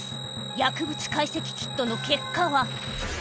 薬物解析キットの結果は？